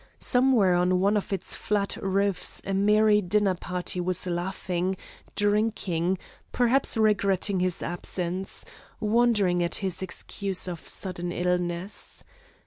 Somewhere on one of its flat roofs a merry dinner party was laughing, drinking, perhaps regretting his absence, wondering at his excuse of sudden illness.